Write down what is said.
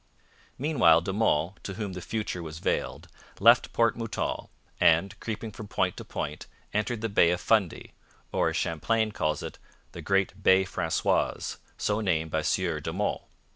Meanwhile De Monts, to whom the future was veiled, left Port Mouton and, creeping from point to point, entered the Bay of Fundy or, as Champlain calls it, 'the great Baye Francoise, so named by Sieur de Monts.'